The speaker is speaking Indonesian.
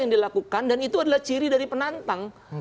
yang dilakukan dan itu adalah ciri dari penantang